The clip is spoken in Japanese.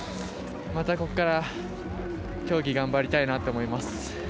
またここから競技頑張りたいなと思います。